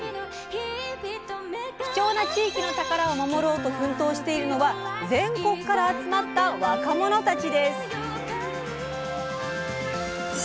貴重な地域の宝を守ろうと奮闘しているのは全国から集まった若者たちです。